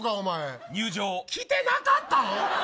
来てなかったん。